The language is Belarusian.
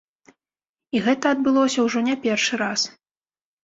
І гэта адбылося ўжо не першы раз.